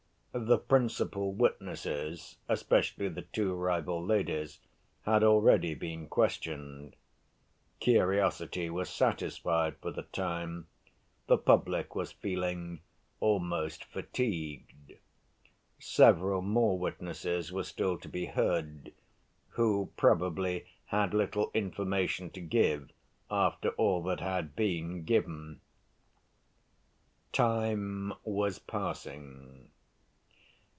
The principal witnesses, especially the two rival ladies, had already been questioned. Curiosity was satisfied for the time; the public was feeling almost fatigued. Several more witnesses were still to be heard, who probably had little information to give after all that had been given. Time was passing.